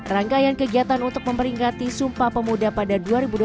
rangkaian kegiatan untuk memperingati sumpah pemuda pada dua ribu dua puluh